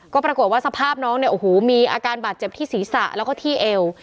ก็ปรากฏว่าสภาพน้องเนี่ยโอ้โหมีอาการบาดเจ็บที่ศีรษะแล้วก็ที่เอว